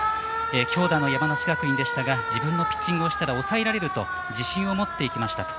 強打の山梨学院でしたが自分のピッチングをしたら抑えられると自信を持っていきました。